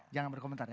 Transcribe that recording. jangan berkomentar ya